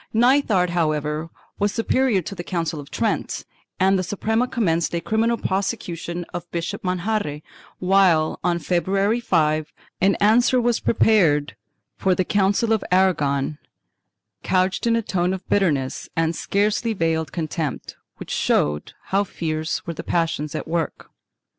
Nithard, however, was superior to the Council of Trent, and the Suprema commenced a criminal prosecution of Bishop Manjarre, while, on February 5th, an answer was prepared for the Council of Aragon, couched in a tone of bitterness and scarcely veiled contempt, which showed how fierce were the passions at work.